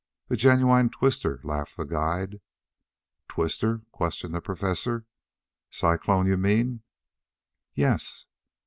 "A genuine twister," laughed the guide. "Twister?" questioned the Professor. "Cyclone, you mean?" "Yes."